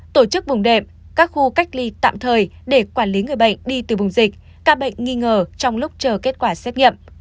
tổ chức vùng đệm các khu cách ly tạm thời để quản lý người bệnh đi từ vùng dịch các bệnh nghi ngờ trong lúc chờ kết quả xét nghiệm